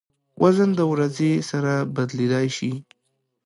وزن د ورځې سره بدلېدای شي.